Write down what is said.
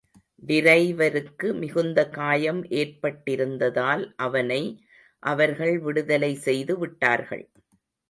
டிரைவருக்கு மிகுந்த காயம் ஏற்பட்டிருந்ததால் அவனை அவர்கள் விடுதலை செய்து விட்டார்கள்.